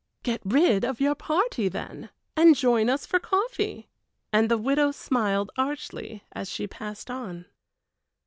"Get rid of your party, then, and join us for coffee," and the widow smiled archly as she passed on.